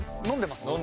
飲んでます。